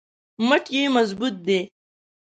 مټ یې مضبوط دی.